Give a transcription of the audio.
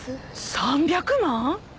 ３００万！？